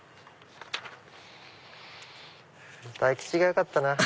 大吉がよかったなぁ。